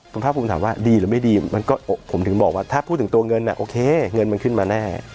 คุณภาคภูมิถามว่าดีหรือไม่ดีมันก็ผมถึงบอกว่าถ้าพูดถึงตัวเงินโอเคเงินมันขึ้นมาแน่